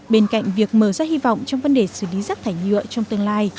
bên cạnh việc mở ra hy vọng trong vấn đề xử lý rác thải nhựa trong tương lai